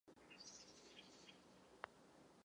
Za něj byla přestavěna na klasicistní vilu.